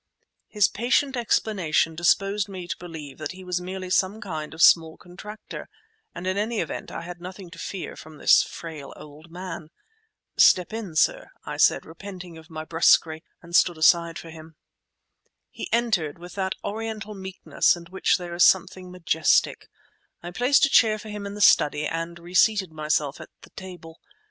His patient explanation disposed me to believe that he was merely some kind of small contractor, and in any event I had nothing to fear from this frail old man. "Step in, sir," I said, repenting of my brusquerie—and stood aside for him. He entered, with that Oriental meekness in which there is something majestic. I placed a chair for him in the study, and reseated myself at the table.